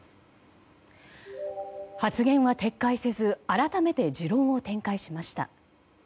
発言は撤回せず改めて持論を展開しました。